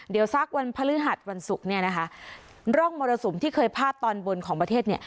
เดี๋ยวสักวันพฤหัสวันศุกร์เนี่ยนะคะร่องมรสุมที่เคยพาดตอนบนของประเทศเนี่ย